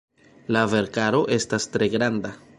La verkaro estas tre granda.